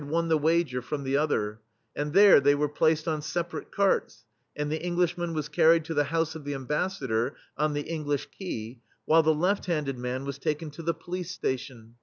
THE STEEL FLEA won the wager from the other; and there they were placed on separate carts, and the Englishman was carried to the house of the Ambassador, on the Eng lish Quay, while the left handed man was taken to the police station.